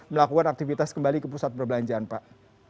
melakukan aktivitas kembali ke pusat perbelanjaan pak